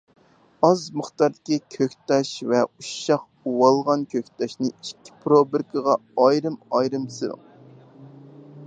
ئاز مىقداردىكى كۆكتاش ۋە ئۇششاق ئۇۋالغان كۆكتاشنى ئىككى پروبىركىغا ئايرىم-ئايرىم سېلىڭ.